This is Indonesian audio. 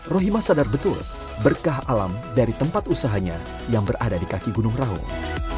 rohima sadar betul berkah alam dari tempat usahanya yang berada di kaki gunung raung